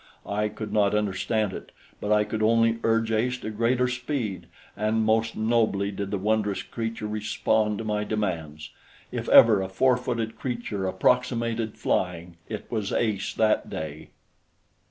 I could not understand it, but I could only urge Ace to greater speed, and most nobly did the wondrous creature respond to my demands. If ever a four footed creature approximated flying, it was Ace that day.